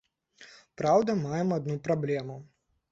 Праўда, маем адну праблему.